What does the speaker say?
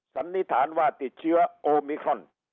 สันนิษฐานว่าติดเชื้อโอมิครอน